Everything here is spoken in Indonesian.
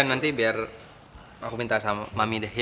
nanti biar aku minta sama mami dehid